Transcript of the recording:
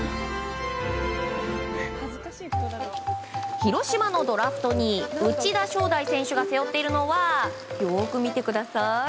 広島のドラフト２位内田湘大選手が背負っているのはよく見てください。